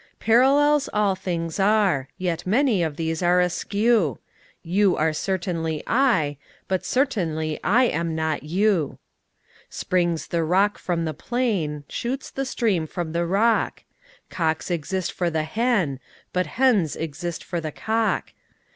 Parallels all things are: yet many of these are askew: You are certainly I: but certainly I am not you. Springs the rock from the plain, shoots the stream from the rock: Cocks exist for the hen: but hens exist for the cock.